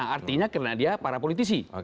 artinya karena dia para politisi